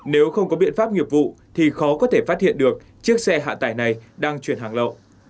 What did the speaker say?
nếu không có biện pháp nghiệp vụ thì khó có thể phát hiện được chiếc xe hạ tải này đang chuyển hàng lậu